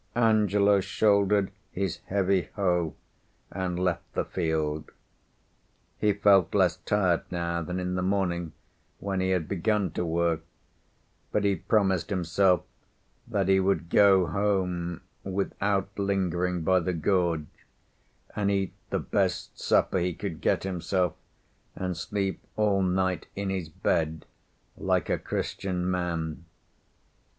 Angelo shouldered his heavy hoe and left the field. He felt less tired now than in the morning when he had begun to work, but he promised himself that he would go home without lingering by the gorge, and eat the best supper he could get himself, and sleep all night in his bed like a Christian man.